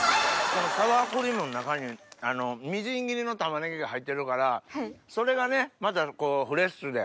このサワークリームの中にみじん切りのたまねぎが入ってるからそれがねまたフレッシュで。